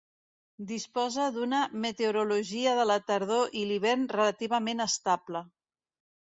Disposa d'una meteorologia de la tardor i l'hivern relativament estable.